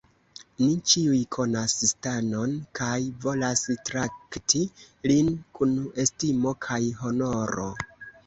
Ni ĉiuj konas Stanon kaj volas trakti lin kun estimo kaj honoro.